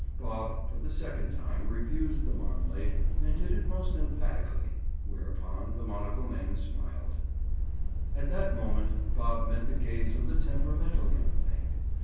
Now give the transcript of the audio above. Bob for the second time refused the marmalade and did it most emphatically. Whereupon the monocle man smiled. At that moment Bob met the gaze of the temperamental young thing.